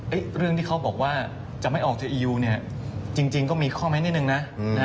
เอ๊ะเรื่องที่เขาบอกว่าจะไม่ออกถึงอียูเนี่ยจริงก็มีข้อให้นิดหนึ่งนะนะฮะ